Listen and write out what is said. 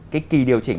cái kỳ điều chỉnh